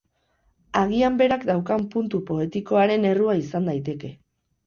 Agian berak daukan puntu poetikoaren errua izan daiteke.